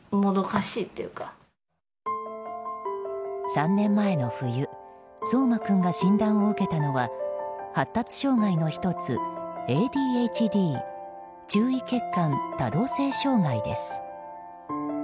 ３年前の冬颯馬君が診断を受けたのは発達障害の１つ、ＡＤＨＤ・注意欠陥・多動性障害です。